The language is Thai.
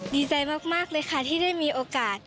ดีใจมากเลยค่ะที่ได้มีโอกาส